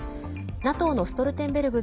ＮＡＴＯのストルテンベルグ